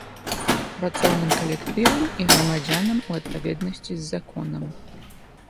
Працоўным калектывам і грамадзянам у адпаведнасці з законам.